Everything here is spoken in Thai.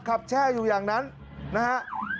ขับแช่อยู่อย่างนั้นนะครับ